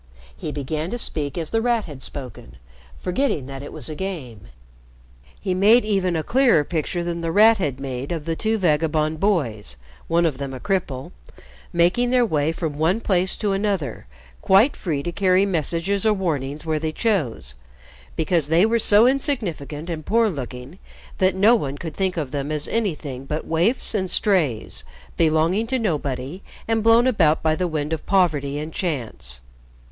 He began to speak as The Rat had spoken, forgetting that it was a game. He made even a clearer picture than The Rat had made of the two vagabond boys one of them a cripple making their way from one place to another, quite free to carry messages or warnings where they chose, because they were so insignificant and poor looking that no one could think of them as anything but waifs and strays, belonging to nobody and blown about by the wind of poverty and chance.